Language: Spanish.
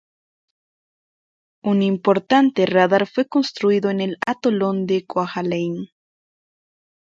Un importante radar fue construido en el atolón de Kwajalein.